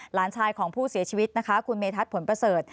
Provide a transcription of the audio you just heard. หลานชายของผู้เสียชีวิตนะคะคุณเมทัศน์ผลประเสริฐ